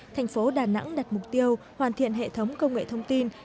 thành phố đà nẵng đặt mục tiêu hoàn thiện hệ thống công nghệ thông tin